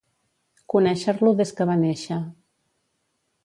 Conèixer-lo des que va néixer.